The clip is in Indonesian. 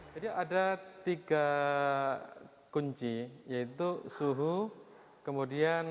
jadi ada tiga kunci yaitu suhu